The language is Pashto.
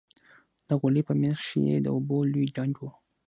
د غولي په منځ کښې يې د اوبو لوى ډنډ و.